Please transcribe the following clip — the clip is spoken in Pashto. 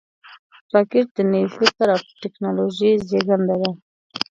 راکټ د نوي فکر او ټېکنالوژۍ زیږنده ده